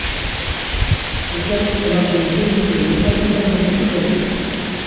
Ce service est maintenant connu sous le nom d'Accompagnement TutélaiRe.